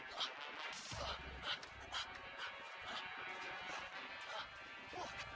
kamu ersten datang itu